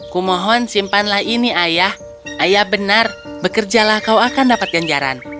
kumohon simpanlah ini ayah ayah benar bekerjalah kau akan dapat ganjaran